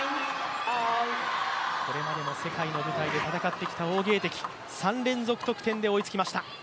これまでも世界の舞台で戦ってきた王ゲイ迪、３連続得点で追いついてきました。